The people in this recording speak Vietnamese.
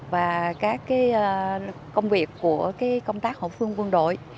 và các công việc của công tác hậu phương quân đội